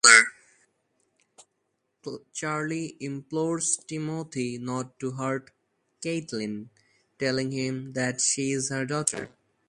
Charly implores Timothy not to hurt Caitlin, telling him that she's her daughter.